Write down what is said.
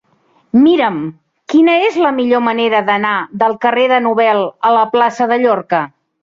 Mira'm quina és la millor manera d'anar del carrer de Nobel a la plaça de Llorca.